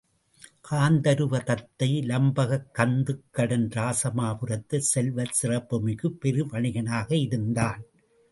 காந்தருவ தத்தை இலம்பகம் கந்துக்கடன் இராசமாபுரத்தில் செல்வச் சிறப்புமிக்க பெரு வணிகனாக இருந்தான்.